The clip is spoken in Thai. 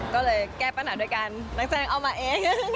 ก็เลยแก้ปัญหาด้วยกันนักแสดงเอามาเอง